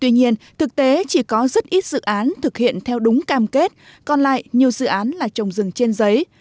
tuy nhiên thực tế chỉ có rất ít dự án thực hiện theo đúng cam kết còn lại nhiều dự án là trồng rừng trên giấy